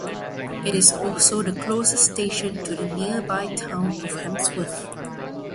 It is also the closest station to the nearby town of Hemsworth.